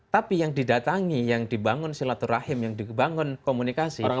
tapi yang didatangi yang dibangun silaturahim yang dibangun komunikasi